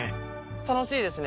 楽しいですね。